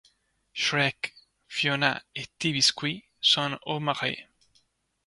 Shrek, Fiona et Ti Biscuit sont au marais.